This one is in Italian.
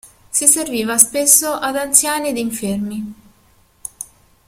Si serviva spesso ad anziani ed infermi.